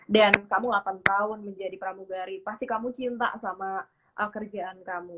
dan kamu delapan tahun menjadi pramugari pasti kamu cinta sama kerjaan kamu